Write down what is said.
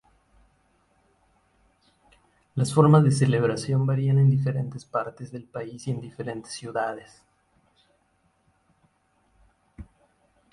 Las formas de celebración varían en diferentes partes del país y entre diferentes ciudades.